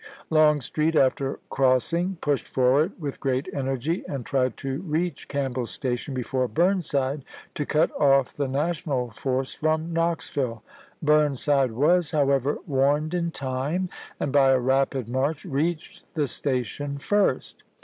Longstreet after crossing pushed forward with great energy, and tried to reach Campbell's Station before Burnside to cut off the national force from Knoxville. Burn side was, however, warned in time, and by a rapid march reached the Station first.